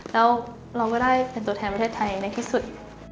แล้วเราก็ได้เป็นตัวแทนประเทศไทยในที่สุด